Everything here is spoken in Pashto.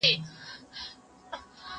نعمتونه انعامونه درکومه